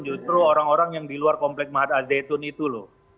justru orang orang yang di luar komplek mahat al zaitun itu loh